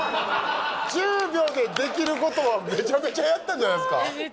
１０秒でできることはめちゃめちゃやったんじゃないですか。